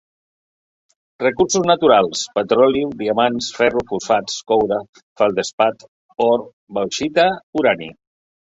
Recursos naturals: petroli, diamants, ferro, fosfats, coure, feldespat, or, bauxita, urani.